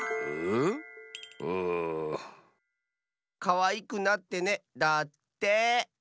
「かわいくなってね」だって。